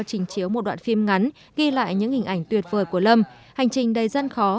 trình chiếu một đoạn phim ngắn ghi lại những hình ảnh tuyệt vời của lâm hành trình đầy dân khó